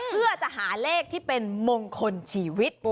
เพื่อจะหาเลขที่เป็นมงคลชีวิต